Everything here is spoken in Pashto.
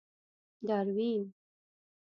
داروېن.